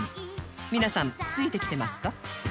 皆さんついてきてますか？